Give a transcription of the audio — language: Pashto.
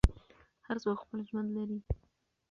هر څوک خپل ژوند لري.